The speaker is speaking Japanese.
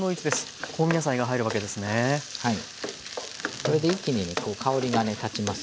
これで一気にね香りがね立ちます。